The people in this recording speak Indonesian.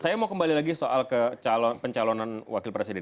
saya mau kembali lagi soal pencalonan wakil presiden